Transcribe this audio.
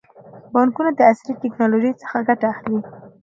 بانکونه د عصري ټکنالوژۍ څخه ګټه اخلي.